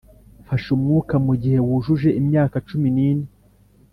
mfashe umwuka mugihe wujuje imyaka cumi nine,